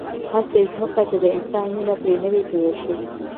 هغسې ځمکه چې د انسان وینه پرې نه وي تویه شوې.